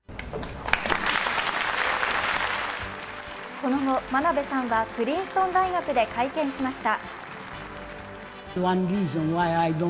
この後、真鍋さんはプリンストン大学で会見しました。